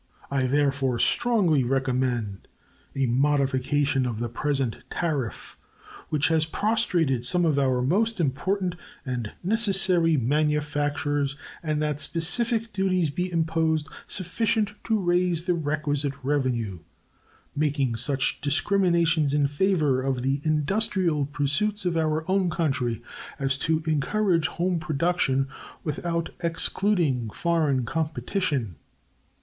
I therefore strongly recommend a modification of the present tariff, which has prostrated some of our most important and necessary manufactures, and that specific duties be imposed sufficient to raise the requisite revenue, making such discriminations in favor of the industrial pursuits of our own country as to encourage home production without excluding foreign competition.